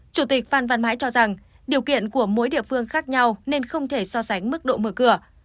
chủ tịch phan văn mãi cho rằng điều kiện của mỗi địa phương khác nhau nên không thể so sánh mức độ mở cửa